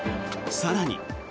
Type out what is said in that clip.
更に。